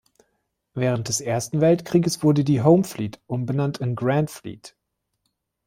Während des Ersten Weltkrieges wurde die "Home Fleet" umbenannt in "Grand Fleet".